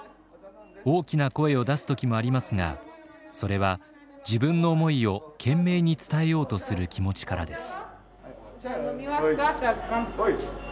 大きな声を出す時もありますがそれは自分の思いを懸命に伝えようとする気持ちからです。